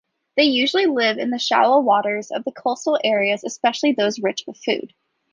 They usually live in the shallow waters of the coastal areas especially those rich of food.